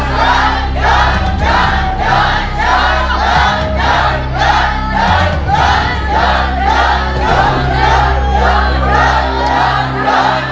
หยุดหยุดหยุดหยุด